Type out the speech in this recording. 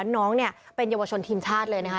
น้องเนี่ยเป็นเยาวชนทีมชาติเลยนะคะ